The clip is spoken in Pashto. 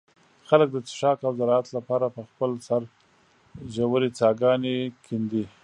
خلک د څښاک او زراعت له پاره په خپل سر ژوې څاګانې کندي.